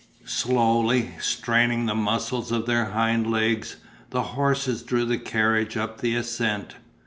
Slowly, straining the muscles of their hind legs, the horses drew the carriage up the ascent.